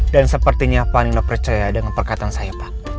dan sepertinya pak nino percaya dengan perkataan saya pak